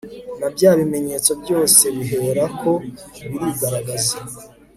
na bya bimenyetso byose bihera ko birigaragaza